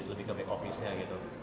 lebih ke back office nya gitu